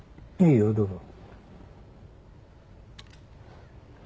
いいよどうぞ。